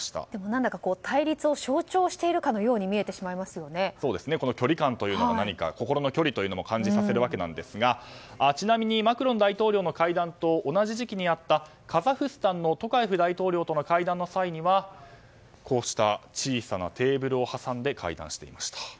何だか対立を象徴しているかのようにこの距離感というのが何か心の距離というものも感じさせますがちなみにマクロン大統領の会談と同じ時期にあったカザフスタンのトカエフ大統領との会談の際にはこうした小さなテーブルを挟んで会談していました。